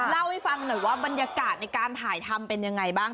เล่าให้ฟังหน่อยว่าบรรยากาศในการถ่ายทำเป็นยังไงบ้าง